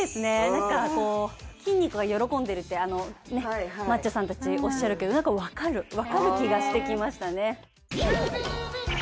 何かこう筋肉が喜んでるってねマッチョさん達おっしゃるけど何か分かる分かる気がしてきましたね